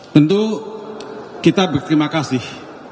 tentu kita berterima kasih